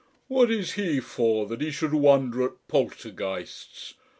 What is he for, that he should wonder at Poltergeists?